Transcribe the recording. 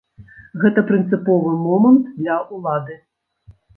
Гэта прынцыповы момант для ўлады.